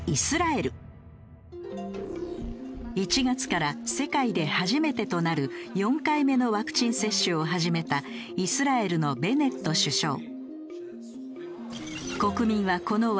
１月から世界で初めてとなる４回目のワクチン接種を始めたイスラエルのベネット首相。